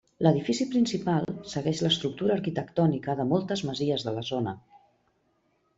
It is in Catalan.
L'edifici principal segueix l'estructura arquitectònica de moltes masies de la zona.